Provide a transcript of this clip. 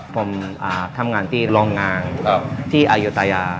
ผมทำงานที่โรงงานที่อายุตายา